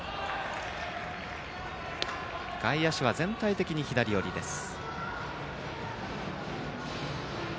外野手は全体的に左寄りです。